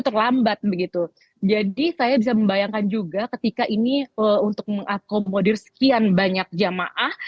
terlambat begitu jadi saya bisa membayangkan juga ketika ini untuk mengakomodir sekian banyak jamaah